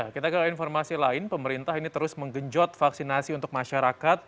kita ke informasi lain pemerintah ini terus menggenjot vaksinasi untuk masyarakat